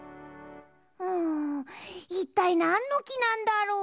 うんいったいなんのきなんだろう。